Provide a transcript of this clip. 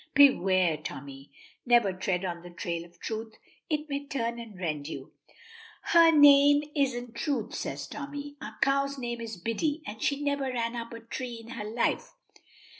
Beware, Tommy! never tread on the tail of Truth. It may turn and rend you." "Her name isn't Truth," says Tommy. "Our cow's name is Biddy, and she never ran up a tree in her life."